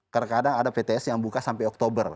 karena kadang ada pts yang buka sampai oktober